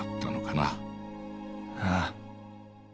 ああ。